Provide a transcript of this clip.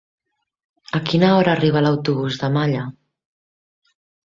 A quina hora arriba l'autobús de Malla?